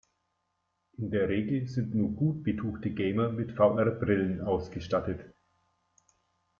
In der Regel sind nur gut betuchte Gamer mit VR-Brillen ausgestattet.